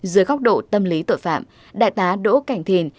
dưới góc độ tâm lý tội phạm đại tá đỗ cảnh thìn